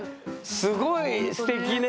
すごいすてきね。